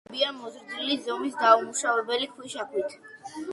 ნაგებია მოზრდილი ზომის, დაუმუშავებელი ქვიშაქვით.